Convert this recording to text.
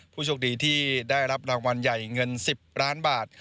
ผู้โชคดีที่ได้รับรางวัลใหญ่เงิน๑๐ล้านบาท